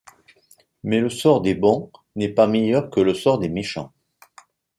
Mais le sort des bons n'est pas meilleur que le sort des méchants.